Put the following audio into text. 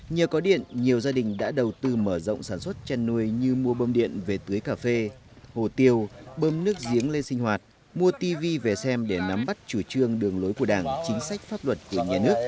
nhờ có điện nhiều gia đình đã đầu tư mở rộng sản xuất chăn nuôi như mua bơm điện về tưới cà phê hồ tiêu bơm nước giếng lên sinh hoạt mua tv về xem để nắm bắt chủ trương đường lối của đảng chính sách pháp luật của nhà nước